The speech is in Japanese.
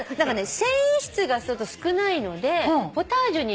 繊維質が少ないのでポタージュに向いて。